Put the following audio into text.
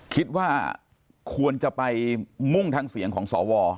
คิดว่าควรจะไปมุ่งทางเสียงของสว